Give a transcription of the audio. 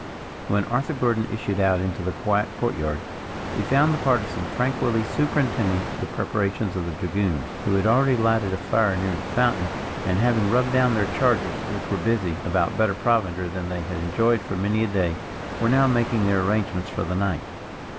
When Arthur Gordon issued out into the quiet court yard, he found the Partisan tranquilly superintending the preparations of the dragoons, who had already lighted a fire near the fountain and having rubbed down their chargers which were busy about better provender than they had enjoyed for many a day, were now making their arrangements for the night.